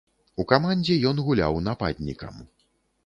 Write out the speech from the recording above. У камандзе ён гуляў нападнікам.